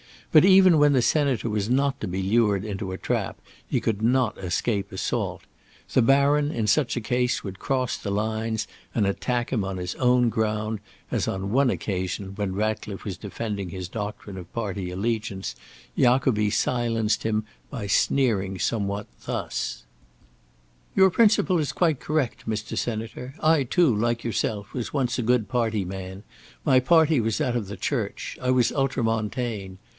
But even when the senator was not to be lured into a trap, he could not escape assault. The baron in such a case would cross the lines and attack him on his own ground, as on one occasion, when Ratcliffe was defending his doctrine of party allegiance, Jacobi silenced him by sneering somewhat thus: "Your principle is quite correct, Mr. Senator. I, too, like yourself, was once a good party man: my party was that of the Church; I was ultramontane.